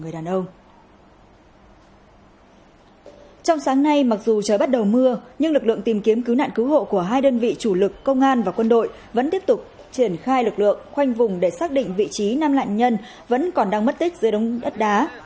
đã đầu mưa nhưng lực lượng tìm kiếm cứu nạn cứu hộ của hai đơn vị chủ lực công an và quân đội vẫn tiếp tục triển khai lực lượng khoanh vùng để xác định vị trí nam nạn nhân vẫn còn đang mất tích dưới đống đất đá